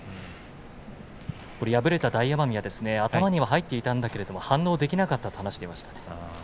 敗れた大奄美は頭には入っていたんだけれども反応できなかったと話していました。